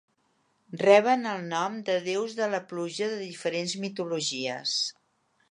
Reben el nom de déus de la pluja de diferents mitologies.